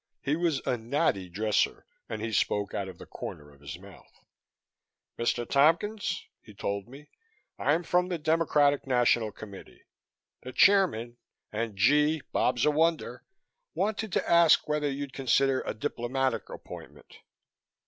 He was a natty dresser and he spoke out of the corner of his mouth. "Mr. Tompkins," he told me, "I'm from, the Democratic National Committee. The Chairman and gee! Bob's a wonder wanted to ask whether you'd consider a diplomatic appointment."